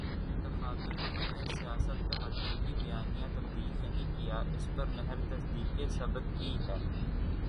انتخابی عمل نے سیاست کا حقیقی بیانیہ تبدیل نہیں کیا، اس پر مہر تصدیق ثبت کی ہے۔